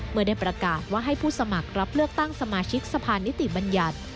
เมื่อได้ประกาศว่าให้ผู้สมัครรับเลือกตั้งสมาชิกสะพานนิติบัญญัติ